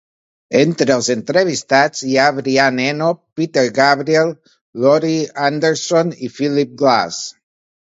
Entre els entrevistats hi ha Brian Eno, Peter Gabriel, Laurie Anderson i Philip Glass.